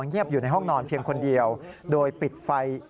เงียบอยู่ในห้องนอนเพียงคนเดียวโดยปิดไฟ